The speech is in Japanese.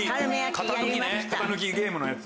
型抜きゲームのやつ。